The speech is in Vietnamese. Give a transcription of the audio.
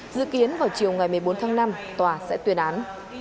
dự kiến vào chiều ngày một mươi bốn tháng năm tòa sẽ tuyên án